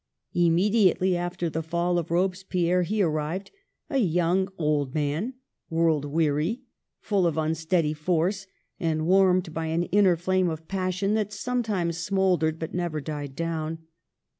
Immediately after the fall of Robespierre he arrived — a young old man, world weary, full of unsteady force, and warmed by an inner flame of passion that sometimes smouldered but never died down.